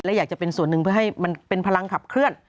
และอยากจะเป็นส่วนหนึ่งเพื่อให้มันเป็นพลังขับเคลื่อน